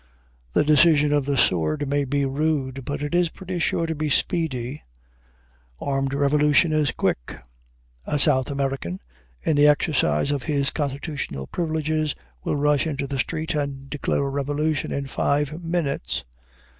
The decision of the sword may be rude, but it is pretty sure to be speedy. Armed revolution is quick. A South American, in the exercise of his constitutional privileges, will rush into the street and declare a revolution in five minutes.